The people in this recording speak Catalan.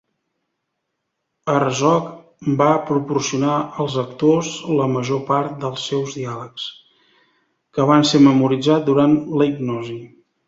Herzog va proporcionar als actors la major part dels seus diàlegs, que van ser memoritzats durant la hipnosi.